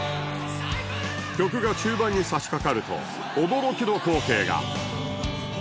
曲が中盤に差し掛かると驚きの光景が